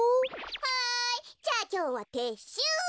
はいじゃあきょうはてっしゅう。